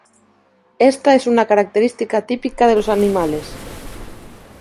Esta es una característica típica de los animales.